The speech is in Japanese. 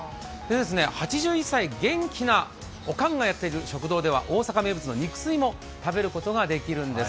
８１歳、元気なおかんがやっている食堂では大阪名物の肉吸いも食べることができるんです。